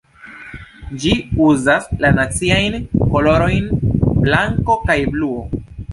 Ĝi uzas la naciajn kolorojn blanko kaj bluo.